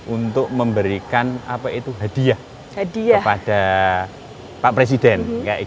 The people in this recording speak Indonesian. untuk memberikan hadiah kepada pak presiden